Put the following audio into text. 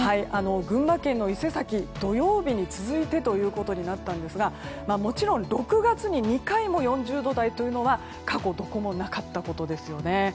群馬県の伊勢崎土曜日に続いてとなりましたがもちろん６月に２回も４０度台というのは過去どこもなかったことですよね。